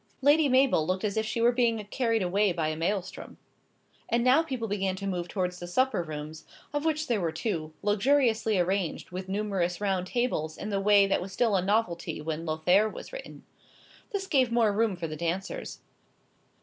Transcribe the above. Lady Mabel looked as if she were being carried away by a maelstrom. And now people began to move towards the supper rooms, of which there were two, luxuriously arranged with numerous round tables in the way that was still a novelty when "Lothair" was written. This gave more room for the dancers.